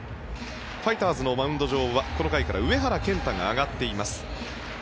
ファイターズのマウンド上はこの回から上原健太が上がっています。